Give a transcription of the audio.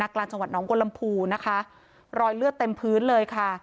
นักกลานจังหวัดนองกลมภูนะคะรอยเลือดเต็มพื้นเลยค่ะ